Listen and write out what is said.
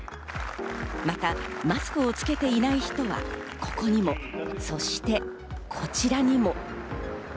またマスクをつけていない人はここにも、そしてこちらにも。